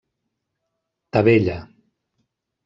Tavella: